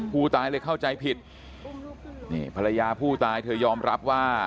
ผู้ตายเลยเข้าใจผิดนี่ภรรยาผู้ตายเธอยอมรับว่า